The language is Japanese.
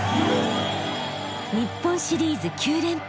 日本シリーズ９連覇。